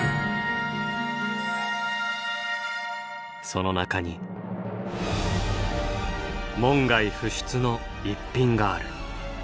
その中に門外不出の逸品がある。